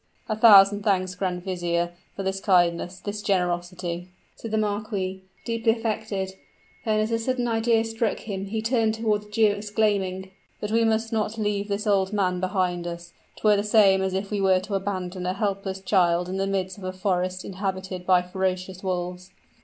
"A thousand thanks, grand vizier, for this kindness this generosity!" said the marquis, deeply affected; then as a sudden idea struck him, he turned toward the Jew exclaiming, "But we must not leave this old man behind us. 'Twere the same as if we were to abandon a helpless child in the midst of a forest inhabited by ferocious wolves."